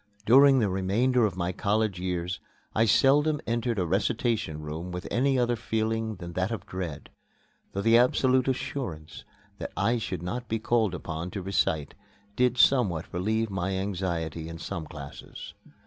During the remainder of my college years I seldom entered a recitation room with any other feeling than that of dread, though the absolute assurance that I should not be called upon to recite did somewhat relieve my anxiety in some classes.